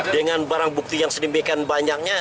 dengan barang bukti yang sedemikian banyaknya